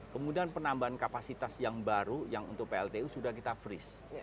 kemudian penambahan kapasitas yang baru yang untuk pltu sudah kita freeze